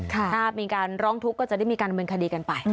ถ้ามีการร้องทุกข์ก็จะได้มีการดำเนินคดีกันไป